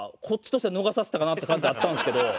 こっちとしては逃させたかなって感じあったんですけど。